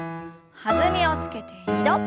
弾みをつけて２度。